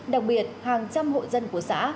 đặc biệt hàng trăm hội dân của xã